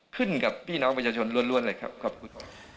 กับพี่น้องประชาชนล้วนเลยครับขอบคุณครับ